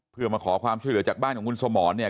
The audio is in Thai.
เพื่อมาขอความช่วยเหลือจากบ้านของคุณสมรเนี่ย